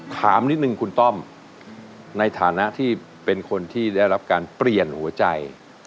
ถามนิดนึงคุณต้อมในฐานะที่เป็นคนที่ได้รับการเปลี่ยนหัวใจ